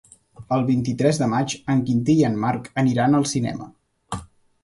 El vint-i-tres de maig en Quintí i en Marc aniran al cinema.